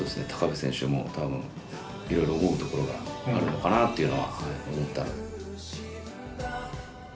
部選手も多分いろいろ思うところがあるのかなっていうのは思ったので。